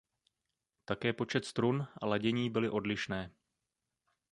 Také počet strun a ladění byly odlišné.